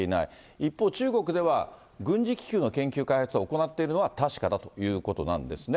一方、中国では軍事気球の研究開発を行っているのは確かだということなんですね。